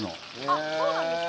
あっそうなんですか？